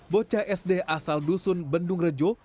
bocah sd asal dusun bendung rejo